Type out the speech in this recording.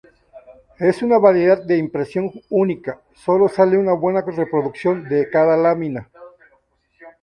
Es una variedad de impresión única; sólo sale una buena reproducción de cada lámina.